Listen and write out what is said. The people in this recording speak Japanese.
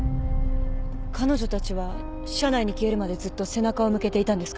彼女たちは車内に消えるまでずっと背中を向けていたんですか？